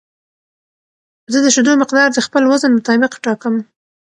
زه د شیدو مقدار د خپل وزن مطابق ټاکم.